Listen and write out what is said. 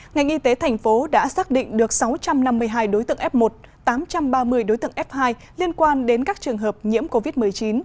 ngành y tế thành phố đã xác định được sáu trăm năm mươi hai đối tượng f một tám trăm ba mươi đối tượng f hai liên quan đến các trường hợp nhiễm covid một mươi chín